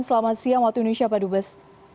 selamat siang waktu indonesia pak dubes